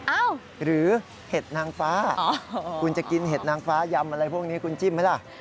หรือเห็ดนางฟ้าคุณจะกินเห็ดนางฟ้ายำอะไรพวกนี้คุณจิ้มไหมล่ะ